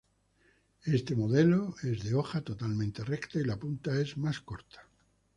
Este modelo es de hoja totalmente recta, y la punta es más corta.